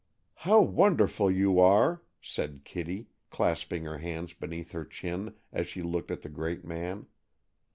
"How wonderful you are!" said Kitty, clasping her hands beneath her chin as she looked at the great man.